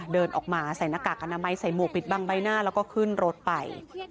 เดินออกมาใส่หน้ากากอนามัยใส่หมวกปิดบังใบหน้าแล้วก็ขึ้นรถไป